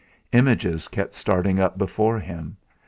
Images kept starting up before him.